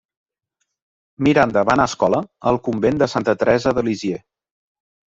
Miranda va anar a escola al Convent de santa Teresa de Lisieux.